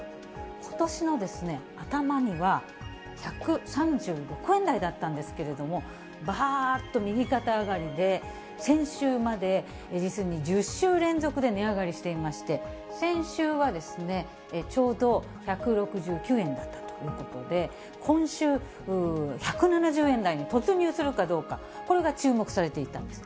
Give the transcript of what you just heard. ことしの頭には、１３６円台だったんですけれども、ばーっと右肩上がりで、先週まで実に１０週連続で値上がりしていまして、先週は、ちょうど１６９円だったということで、今週、１７０円台に突入するかどうか、これが注目されていたんです。